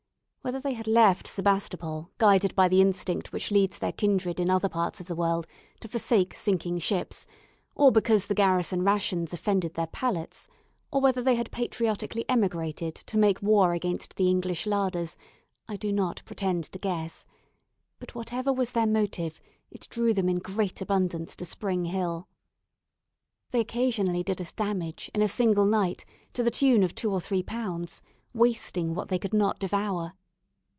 Whether they had left Sebastopol, guided by the instinct which leads their kindred in other parts of the world to forsake sinking ships, or because the garrison rations offended their palates, or whether they had patriotically emigrated, to make war against the English larders, I do not pretend to guess; but, whatever was their motive, it drew them in great abundance to Spring Hill. They occasionally did us damage, in a single night, to the tune of two or three pounds wasting what they could not devour.